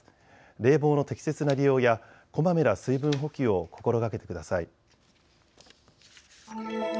冷房の適切な利用やこまめな水分補給を心がけてください。